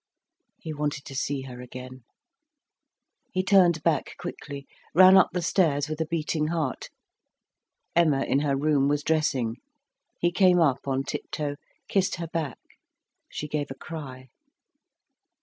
He wanted to see her again; he turned back quickly, ran up the stairs with a beating heart. Emma, in her room, was dressing; he came up on tiptoe, kissed her back; she gave a cry.